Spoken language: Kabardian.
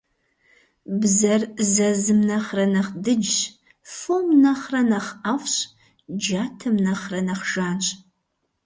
Бзэр зэзым нэхърэ нэхъ дыджщ, фом нэхърэ нэхъ IэфIщ, джатэм нэхърэ нэхъ жанщ.